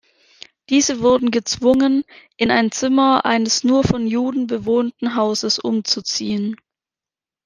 Diese wurden gezwungen, in ein Zimmer eines nur von Juden bewohnten Hauses umzuziehen.